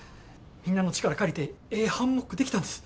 みんなの力借りてええハンモック出来たんです。